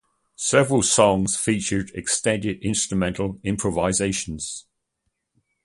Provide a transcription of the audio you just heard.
Several songs feature extended instrumental improvisation.